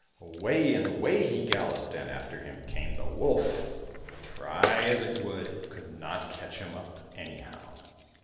Away and away he galloped, and after him came the wolf, but try as it would, it could not catch him up anyhow.